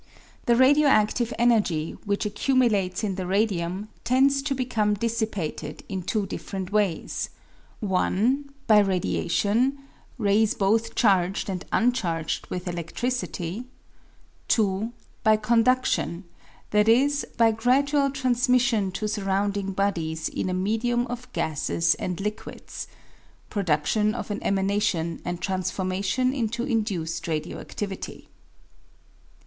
The radio adive energy which accumulates in the radium tends to become dis sipated in two different ways :— (i) By radiation (rays both charged and uncharged with eledlricity) ; (2) by condudlion, i.e., by gradual transmission to surrounding bodies in a medium ot gases and liquids (producflion of an emanation and transformation into induced radio aiStivity).